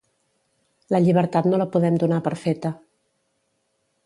La llibertat no la podem donar per feta.